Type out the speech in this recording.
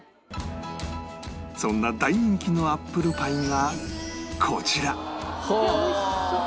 そんな大人気のアップルパイがこちらはあ！